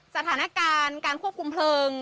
สถานการณ์การควบคุมเพลิง